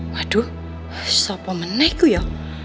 waduh siapa menegu ya